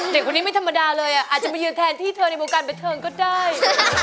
เด็กคนนี้ไม่ธรรมดาเลยอาจจะมายืนแทนที่เธอในวงการบันเทิงก็ได้